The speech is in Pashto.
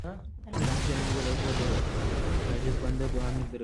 الله د عاجز بنده دعا نه ردوي.